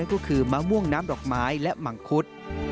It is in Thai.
ก็คือมะม่วงน้ำดอกไม้และมังคุด